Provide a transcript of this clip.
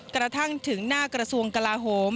กระทั่งถึงหน้ากระทรวงกลาโหม